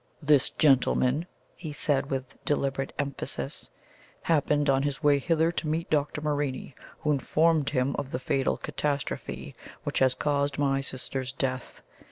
"This GENTLEMAN," he said, with deliberate emphasis, "happened, on his way thither, to meet Dr. Morini, who informed him of the fatal catastrophe which has caused my sister's death.